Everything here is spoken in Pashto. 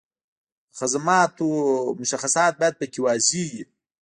د خدماتو مشخصات باید په کې واضح وي.